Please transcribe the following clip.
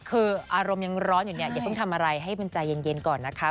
คืออารมณ์ยังร้อนอยู่เนี่ยอย่าเพิ่งทำอะไรให้มันใจเย็นก่อนนะคะ